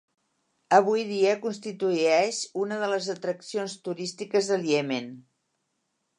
Avui dia constitueix una de les atraccions turístiques del Iemen.